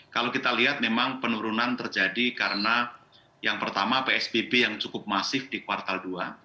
kalau kita lihat memang penurunan terjadi karena yang pertama psbb yang cukup masif di kuartal dua